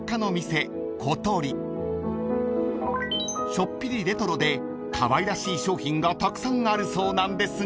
［ちょっぴりレトロでかわいらしい商品がたくさんあるそうなんですが］